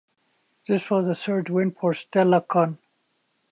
This was the third win for Stella Kon.